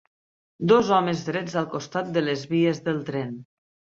Dos homes drets al costat de les vies del tren.